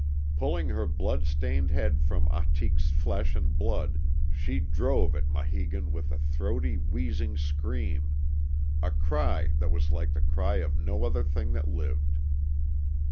Pulling her blood stained head from Ahtik's flesh and blood she drove at Maheegun with a throaty, wheezing scream a cry that was like the cry of no other thing that lived.